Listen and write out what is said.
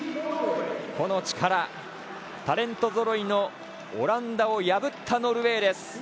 個の力タレントぞろいのオランダを破ったノルウェーです。